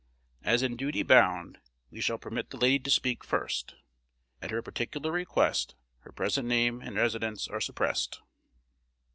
As in duty bound, we shall permit the lady to speak first. At her particular request, her present name and residence are suppressed.